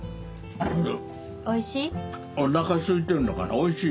おいしい？